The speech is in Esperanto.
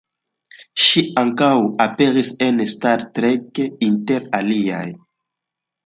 Ŝi ankaŭ aperis en Star Trek, inter aliaj.